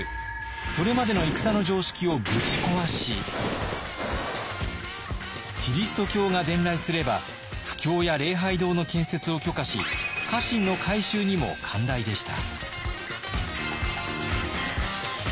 それまでの戦の常識をぶち壊しキリスト教が伝来すれば布教や礼拝堂の建設を許可し家臣の改宗にも寛大でした。